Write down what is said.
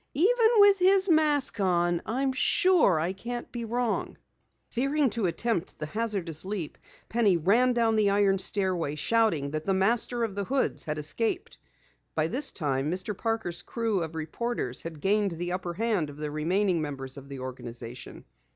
"Even with his mask on, I'm sure I can't be wrong!" Fearing to attempt the hazardous leap, Penny ran down the iron stairway, shouting that the Master of the Hoods had escaped. By this time, Mr. Parker's crew of reporters had gained the upperhand of the remaining members of the organization.